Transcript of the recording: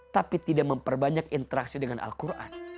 tapi tidak memperbanyak interaksi dengan al quran